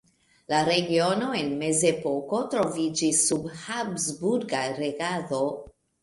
La regiono en mezepoko troviĝis sub habsburga regado.